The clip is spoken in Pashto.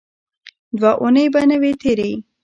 دوه اوونۍ به نه وې تېرې.